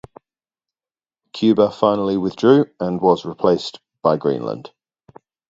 Cuba finally withdrew and was replaced by Greenland.